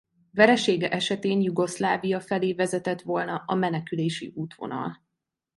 Veresége esetén Jugoszlávia felé vezetett volna a menekülési útvonal.